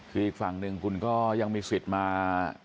คืออีกฝั่งหนึ่งคุณก็ยังมีสิทธิ์มา